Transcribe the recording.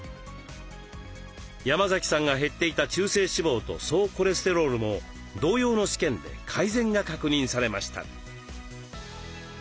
山崎さんが減っていた中性脂肪と総コレステロールも同様の試験で改善が確認されました。